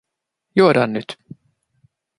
Juodaan nyt.